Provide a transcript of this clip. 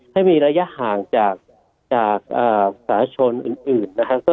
ให้มีระยะห่างจากสาชนิดอื่น